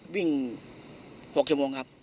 วิ่ง๖ชั่วโมงครับ